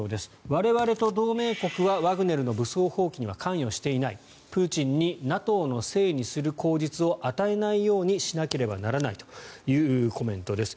我々と同盟国はワグネルの武装蜂起には関与していないプーチンにＮＡＴＯのせいにする口実を与えないようにしなければならないというコメントです。